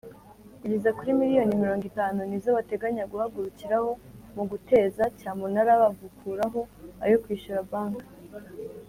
kugeza kuri miliyoni mirongo itanu nizo bateganya guhagurukiraho muguteza cyamunara bagukuraho ayo kwishyura banki.